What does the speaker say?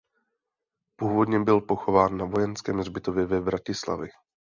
Původně byl pochován na vojenském hřbitově ve Vratislavi.